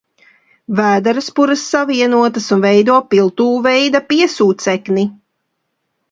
Vēdera spuras savienotas un veido piltuvveida piesūcekni.